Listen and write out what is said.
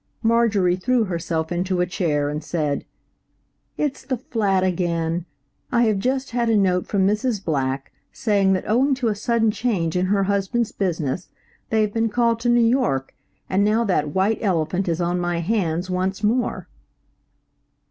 Marjorie threw herself into a chair, and said, "It's the flat again. I have just had a note from Mrs. Black, saying that owing to a sudden change in her husband's business they have been called to New York, and now that white elephant is on my hands once more."